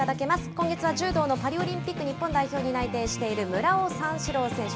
今月は柔道のパリオリンピック日本代表に内定している村尾三四郎選手。